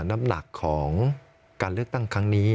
น้ำหนักของการเลือกตั้งครั้งนี้